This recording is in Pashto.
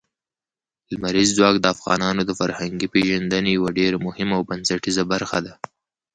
لمریز ځواک د افغانانو د فرهنګي پیژندنې یوه ډېره مهمه او بنسټیزه برخه ده.